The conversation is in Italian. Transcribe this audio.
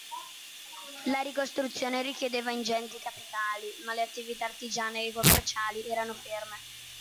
La ricostruzione richiedeva ingenti capitali, ma le attività artigiane e commerciali erano ferme.